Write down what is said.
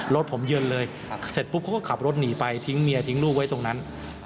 รถผมเยินเลยเสร็จปุ๊บเขาก็ขับรถหนีไปทิ้งเมียทิ้งลูกไว้ตรงนั้น